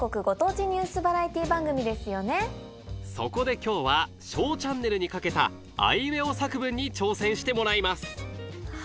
そこで今日は『ＳＨＯＷチャンネル』に掛けたあいうえお作文に挑戦してもらいます